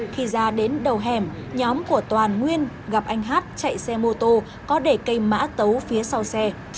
khi ra đến đầu hẻm nhóm của toàn nguyên gặp anh hát chạy xe mô tô có để cây mã tấu phía sau xe